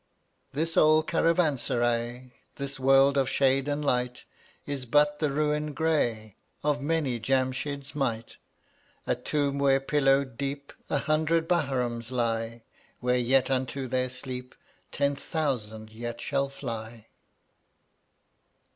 140 This old caravanserai, This world of shade and light, Is but the ruin gray Of many Jamshids* might, A tomb where pillowed deep An hundred Bahrams lie, Where yet unto their sleep Ten thousand yet shall fly.